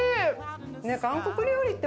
韓国料理って